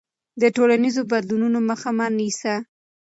د ټولنیزو بدلونونو مخه مه نیسه.